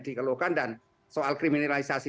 dikeluhkan dan soal kriminalisasi